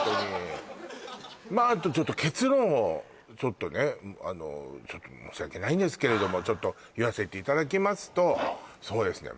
あとちょっと結論をちょっとねちょっと申し訳ないんですけれどもちょっと言わせていただきますとそうですね